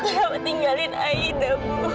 ibu kenapa tinggalin aida